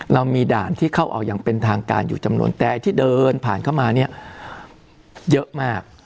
เรามีด่านที่เข้าออกอย่างเป็นทางการอยู่จำนวนแต่ไอ้ที่เดินผ่านเข้ามาเนี่ยเยอะมาก